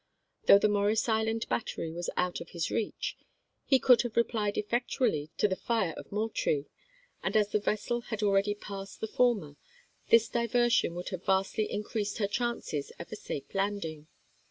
Though the Morris Island battery was out of his reach, he could have replied effectually to the fire of Moul trie; and as the vessel had already passed the former, this diversion would have vastly increased her chances of a safe landing.